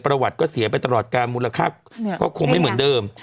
ประวัติก็เสียไปตลอดการมูลค่าก็คงไม่เหมือนเดิม